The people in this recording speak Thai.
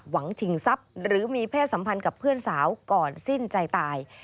ชิงทรัพย์หรือมีเพศสัมพันธ์กับเพื่อนสาวก่อนสิ้นใจตาย